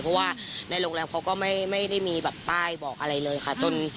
เพราะว่าในโรงแรมเขาก็ไม่ได้มีแบบป้ายบอกอะไรเลยค่ะ